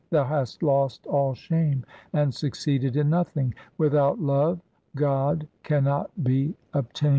Thou hast lost all shame and succeeded in nothing ; with out love God cannot be obtained.